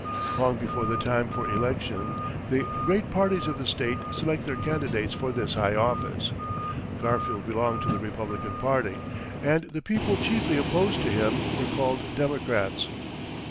Long before the time for election, the great parties in the State select their candidates for this high office. Garfield belonged to the Republican party, and the people chiefly opposed to him were called Democrats.